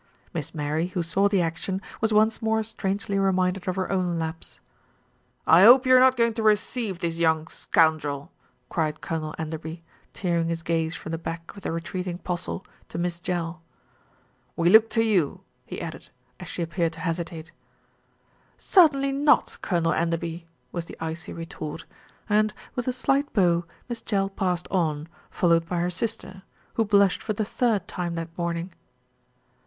Miss Mary, who saw the action, was once more strangely reminded of her own lapse. "I hope you are not going to receive this young scoundrel!" cried Colonel Enderby, tearing his gaze from the back of the retreating Postle to Miss Jell. "We look to you," he added, as she appeared to hesitate. "Certainly not, Colonel Enderby," was the icy retort and, with a slight bow, Miss Jell passed on, followed by her sister, who blushed for the third time that morning.